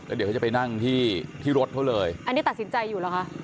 เดี๋ยวเขาจะไปนั่งที่ที่รถเขาเลยอันนี้ตัดสินใจอยู่เหรอคะ